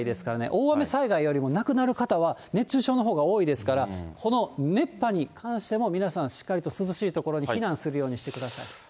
大雨災害よりも亡くなる方は熱中症のほうが多いですから、この熱波に関しても、皆さん、しっかりと涼しい所に避難するようにしてください。